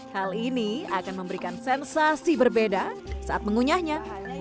hal ini akan memberikan sensasi berbeda saat mengunyahnya